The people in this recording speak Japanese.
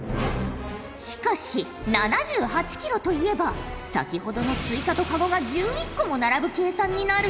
しかし７８キロといえば先ほどのスイカとかごが１１個も並ぶ計算になるぞ。